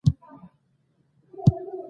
بیاوېش روغتیا او ارامي رامنځته کوي.